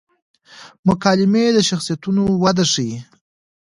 مکالمې د شخصیتونو وده ښيي.